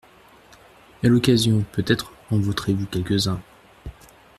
À l’occasion, peut-être en voterez-vous quelques-uns.